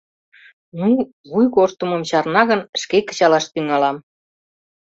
«Ну, вуй корштымым чарна гын, шке кычалаш тӱҥалам.